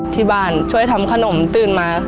ที่บ้านช่วยทำขนมตื่นมา